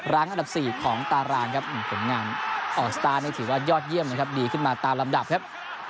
อันดับ๔ของตารางครับผลงานออกสตาร์ทนี่ถือว่ายอดเยี่ยมนะครับดีขึ้นมาตามลำดับครับ